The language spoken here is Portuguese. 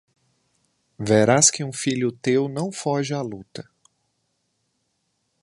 Verás que um filho teu não foge à luta